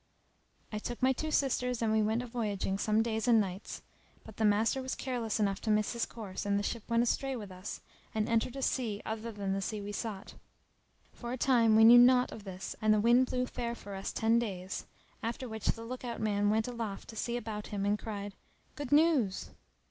I took my two sisters and we went a voyaging some days and nights; but the master was careless enough to miss his course, and the ship went astray with us and entered a sea other than the sea we sought. For a time we knew naught of this; and the wind blew fair for us ten days, after which the look out man went aloft to see about him and cried, "Good news!"